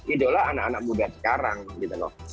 idola anak anak muda sekarang gitu loh